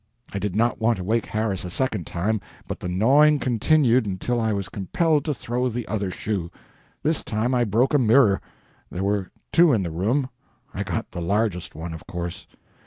I did not want to wake Harris a second time, but the gnawing continued until I was compelled to throw the other shoe. This time I broke a mirror there were two in the room I got the largest one, of course.